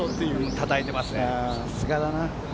さすがだな。